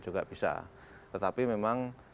juga bisa tetapi memang